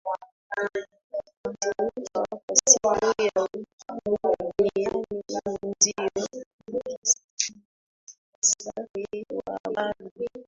ya kuadhimisha kwa siku ya ukimwi duniani huu ndio muktasari wa habari